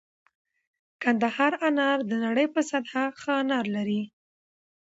کندهار انار د نړۍ په سطحه ښه انار لري